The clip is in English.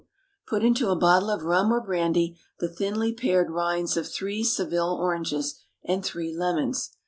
Put into a bottle of rum or brandy the thinly pared rinds of three Seville oranges, and three lemons.